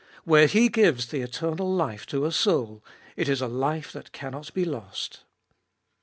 Where He gives the eternal life to a soul, it is a life that cannot be lost.